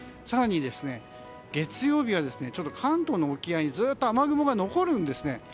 更に、月曜日は関東の沖合にずっと雨雲が残るんですね。